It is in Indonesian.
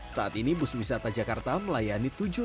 saat ini bus wisata jakarta melayani